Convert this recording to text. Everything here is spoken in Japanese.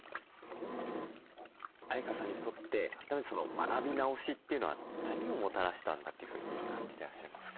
相川さんにとって改めて学び直しというのは何をもたらしたんだというふうに感じてらっしゃいますか？